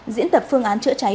diễn tập phương án chữa cháy